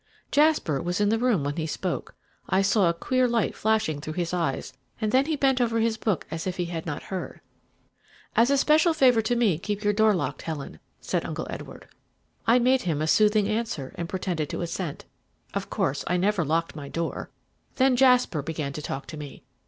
"Jasper was in the room when he spoke. I saw a queer light flashing through his eyes, and then he bent over his book as if he had not heard. "'As a special favour to me, keep your door locked, Helen,' said Uncle Edward. "I made him a soothing answer, and pretended to assent. Of course I never locked my door. Then Jasper began to talk to me.